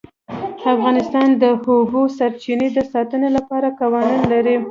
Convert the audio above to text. افغانستان د د اوبو سرچینې د ساتنې لپاره قوانین لري.